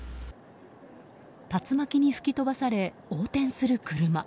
竜巻に吹き飛ばされ横転する車。